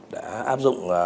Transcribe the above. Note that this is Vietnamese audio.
đã áp dụng